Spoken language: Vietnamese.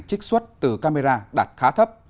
trích xuất từ camera đạt khá thấp